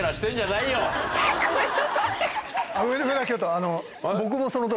あの。